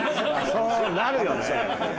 そうなるよ。